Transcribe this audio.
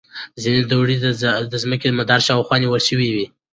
ځینې دوړې د ځمکې مدار شاوخوا نیول شوې وي.